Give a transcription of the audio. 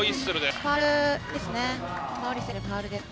ファウルですね。